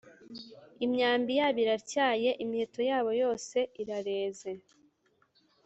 Imyambi yabo iratyaye, imiheto yabo yose irareze,